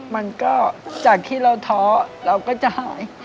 มันก็จากที่เราท้อเราก็จะหาย